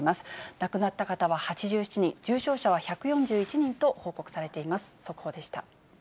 亡くなった方は８７人、重症者は１４１人と報告されています。